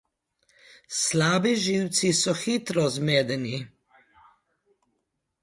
Slabi živci so hitro zmedeni.